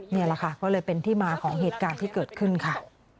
นี่แหละค่ะก็เลยเป็นที่มาของเหตุการณ์ที่เกิดขึ้นค่ะ